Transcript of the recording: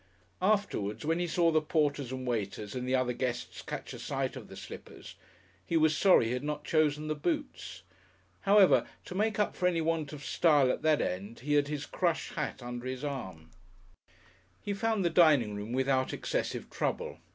Afterwards, when he saw the porters and waiters and the other guests catch a sight of the slippers, he was sorry he had not chosen the boots. However, to make up for any want of style at that end, he had his crush hat under his arm. He found the dining room without excessive trouble.